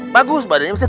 bagus badannya bisa